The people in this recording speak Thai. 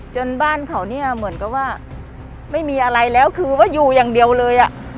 จนบ้านเขาเนี่ยเหมือนกับว่าไม่มีอะไรแล้วคือว่าอยู่อย่างเดียวเลย